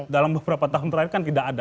dalam beberapa tahun terakhir kan tidak ada